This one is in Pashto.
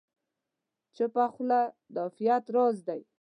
چپه خوله، د عافیت راز دی.